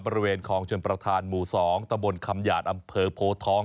บริเวณคลองชนประธานหมู่๒ตะบนคำหยาดอำเภอโพทอง